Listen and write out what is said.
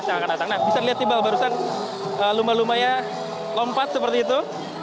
nah bisa dilihat sikbal barusan lumba lumanya lompat seperti itu